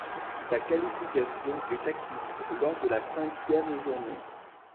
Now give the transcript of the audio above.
Sa qualification est acquise lors de la cinquième journée.